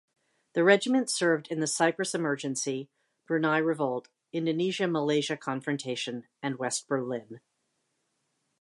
The regiment served in the Cyprus Emergency, Brunei Revolt, Indonesia-Malaysia confrontation and West Berlin.